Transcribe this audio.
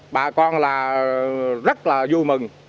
bà con là rất là vui mừng